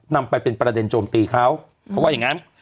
นำไปเป็นประเด็นโจมตีเขาเขาว่าอย่างนั้น